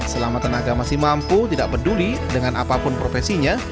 selama tenaga masih mampu tidak peduli dengan apapun profesinya